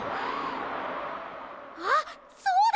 あっそうだ！